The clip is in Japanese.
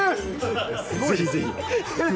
ぜひぜひ。